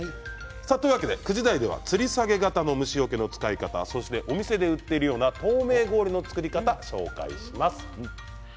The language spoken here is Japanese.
９時台ではつり下げ型の虫よけの使い方そしてお店で売っているような透明氷の作り方を紹介します。